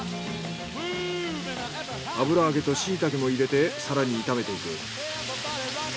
油揚げとシイタケも入れて更に炒めていく。